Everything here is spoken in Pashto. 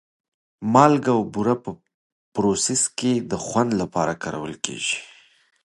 مالګه او بوره په پروسس کې د خوند لپاره کارول کېږي.